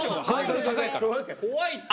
怖いって。